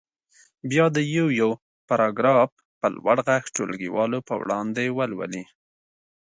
بیا دې یو یو پاراګراف په لوړ غږ ټولګیوالو په وړاندې ولولي.